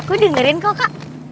aku dengerin koko